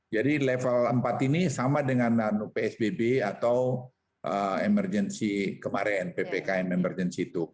jadi level empat ini sama dengan psbb atau emergency kemarin ppkn emergency itu